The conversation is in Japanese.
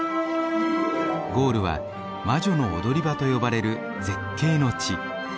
ゴールは魔女の踊り場と呼ばれる絶景の地。